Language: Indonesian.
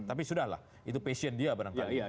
tapi sudah lah itu passion dia barangkali